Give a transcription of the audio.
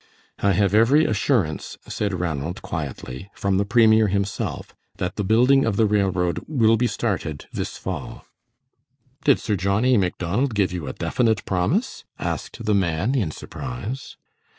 "I have every assurance," said Ranald, quietly, "from the premier himself, that the building of the railroad will be started this fall." "Did Sir John A. MacDonald give you a definite promise?" asked the man, in surprise.